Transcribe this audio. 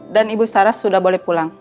dan ibu sarah sudah boleh pulang